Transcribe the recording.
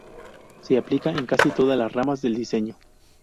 Se aplica en casi todas las ramas del diseño.